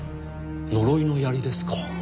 呪いの槍ですか？